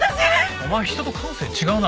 お前人と感性違うな。